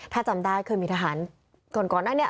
ถ้าจำได้คือมีทหารก่อนนั้นเนี่ย